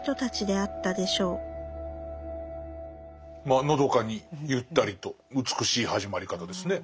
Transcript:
まあのどかにゆったりと美しい始まり方ですね。